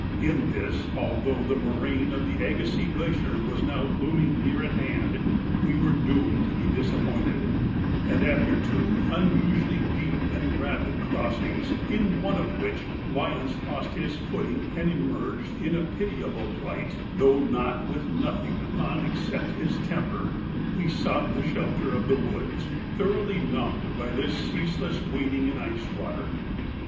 In this, although the moraine of the Agassiz Glacier was now looming near at hand, we were doomed to be disappointed; and after two unusually deep and rapid crossings, in one of which Lyons lost his footing and emerged in a pitiable plight, though with nothing gone except his temper, we sought the shelter of the woods, thoroughly numbed by this ceaseless wading in ice water.